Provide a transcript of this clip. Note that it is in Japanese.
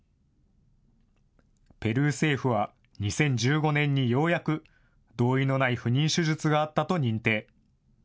ペルー政府は２０１５年にようやく同意のない不妊手術があったと認定。